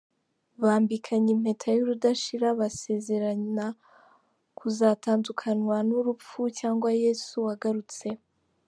Bambikanye impeta y'urudashira basezerana kuzatandukanywa n'urupfu cyangwa Yesu agarutse.